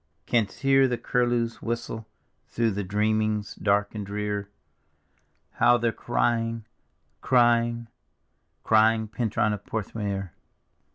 Canst hear the curlews' whistle through thy dreamings dark and drear, How they're crying, crying, crying, Pentruan of Porth meor?